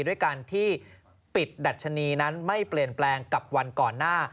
ด้วยการที่ปิดดัชนีนั้นไม่เปลี่ยนแปลงกับวันก่อนหน้า